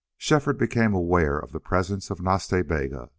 Shefford became aware of the presence of Nas Ta Bega.